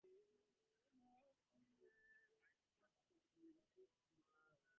In addition, the base was inadequate at the time with regards to training facilities.